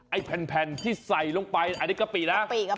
ไอ้แผ่นที่ใส่ลงไปอันนี้กะปินะ